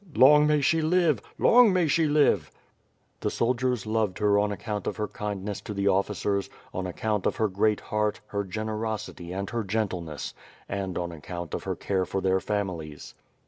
"Long may she live! Long may she live!" The soldiers loved her on account of her kindness to the officers, on account of her great heart, her generosity and her gentleness, and on account of her care for their families.